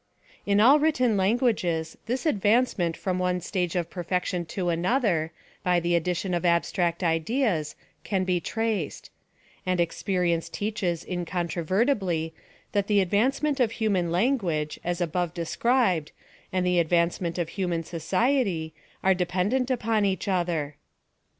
Ill all written languages this advancement from one stage of perfection to another, by the addition of abstract ideas, can be traced ; and experience teach es, incontrovertibly, that the advancement of human language, as above described, and the advancement of human society, are dependent upon each other.